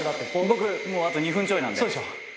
僕もうあと２分ちょいなんで。